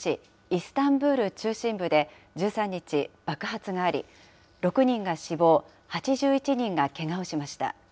イスタンブール中心部で１３日、爆発があり、６人が死亡、８１人がけがをしました。